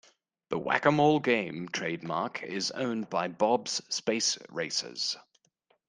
The Whac-A-Mole game trademark is owned by Bob's Space Racers.